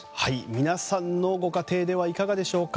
皆さんのご家庭ではいかがでしょうか？